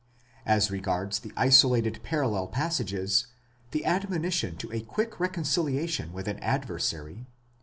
9 As regards the isolated parallel passages, the admonition to a quick recon ciliation with an adversary (v.